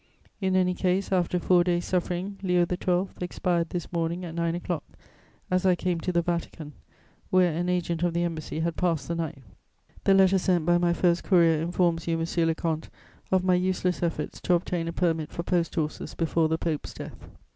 In any case, after four days' suffering, Leo XII. expired this morning at nine o'clock, as I came to the Vatican, where an agent of the Embassy had passed the night. The letter sent by my first courier informs you, monsieur le comte, of my useless efforts to obtain a permit for post horses before the Pope's death.